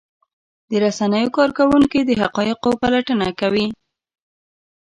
د رسنیو کارکوونکي د حقایقو پلټنه کوي.